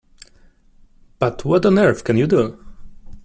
But what on earth can you do?